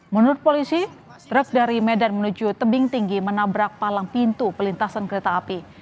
menurut polisi truk dari medan menuju tebing tinggi menabrak palang pintu pelintasan kereta api